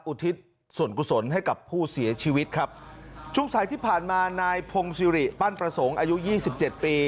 อุทิศส่วนกุศลให้กับผู้เสียชีวิตครับช่วงสายที่ผ่านมานายพงศิริปั้นประสงค์อายุยี่สิบเจ็ดปี